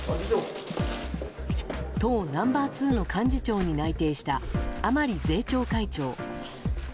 党ナンバー２の幹事長に内定した甘利税調会長。